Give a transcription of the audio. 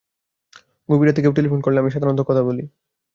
গভীর রাতে কেউ টেলিফোন করলে আমি সাধারণত কথা বলি।